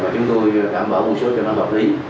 chúng tôi đảm bảo một số cho nó hợp lý